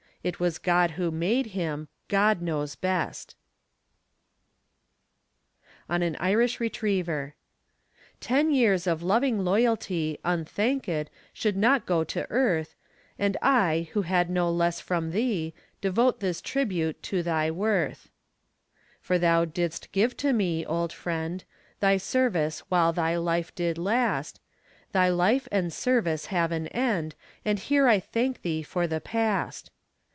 It was God who made him God knows best. MORTIMER COLLINS. ON AN IRISH RETRIEVER Ten years of loving loyalty Unthankéd should not go to earth, And I, who had no less from thee, Devote this tribute to thy worth. For thou didst give to me, old friend, Thy service while thy life did last; Thy life and service have an end, And here I thank thee for the past.